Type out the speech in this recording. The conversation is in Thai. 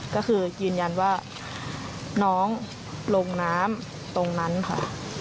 ก็คือยืนยันว่าน้องลงน้ำตรงนั้นค่ะ